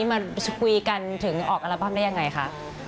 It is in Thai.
มาสวัสดิ์กันถึงออกอาร์บัมได้ยังไงคะ